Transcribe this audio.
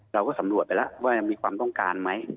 เราก็สำรวจไปแล้วว่ามีความต้องการไหม